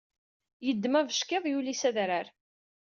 Yeddem abeckiḍ yuli s adrar!